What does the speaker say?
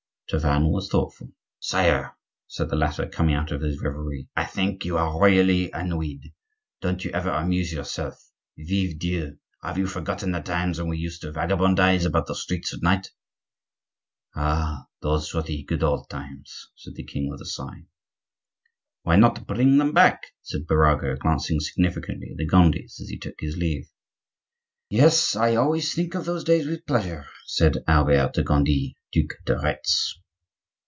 Tavannes was thoughtful. "Sire," said the latter, coming out of his reverie, "I think you are royally ennuyed; don't you ever amuse yourself now? Vive Dieu! have you forgotten the times when we used to vagabondize about the streets at night?" "Ah! those were the good old times!" said the king, with a sigh. "Why not bring them back?" said Birago, glancing significantly at the Gondis as he took his leave. "Yes, I always think of those days with pleasure," said Albert de Gondi, Duc de Retz.